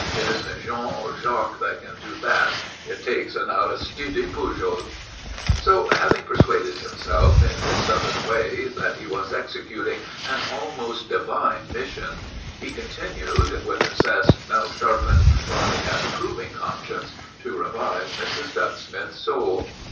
_ it isn't Jean or Jacques that can do that. It takes an Aristide Pujol!" So, having persuaded himself, in his Southern way, that he was executing an almost divine mission, he continued, with a zest now sharpened by an approving conscience, to revive Mrs. Ducksmith's soul.